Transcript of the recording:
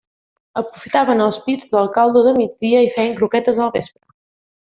Aprofitaven els pits del caldo de migdia i feien croquetes al vespre.